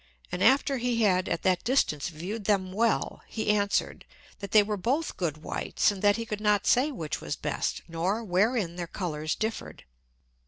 And after he had at that distance viewed them well, he answer'd, that they were both good Whites, and that he could not say which was best, nor wherein their Colours differed.